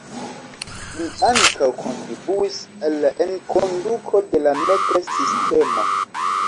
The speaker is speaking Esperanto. Li ankaŭ kontribuis al la enkonduko de la metra sistemo.